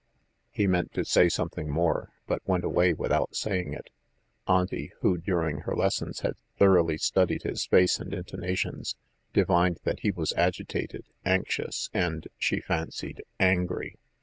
..." He meant to say something more, but went away without saying it. Auntie, who during her lessons had thoroughly studied his face and intonations, divined that he was agitated, anxious and, she fancied, angry.